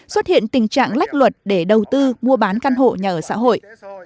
xuất hiện tình trạng lách luật để đầu tư mua bán căn hộ nhà ở xã hội